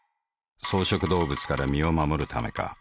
草食動物から身を護るためか。